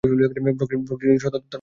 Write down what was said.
ব্লকটির সদর দপ্তর মশাটে।